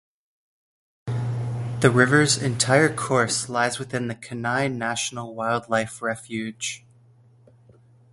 The river's entire course lies within the Kenai National Wildlife Refuge.